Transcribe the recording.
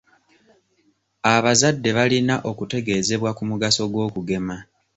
Abazadde balina okutegeezebwa ku mugaso gw'okugema.